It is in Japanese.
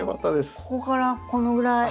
ここからこのぐらい。